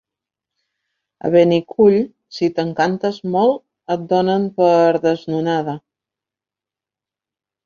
A Benicull, si t'encantes molt, et donen per... desnonada.